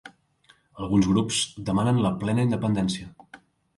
Alguns grups demanen la plena independència.